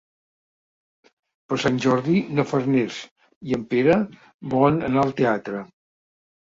Per Sant Jordi na Farners i en Pere volen anar al teatre.